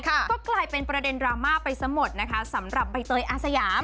ก็กลายเป็นประเด็นดราม่าไปซะหมดนะคะสำหรับใบเตยอาสยาม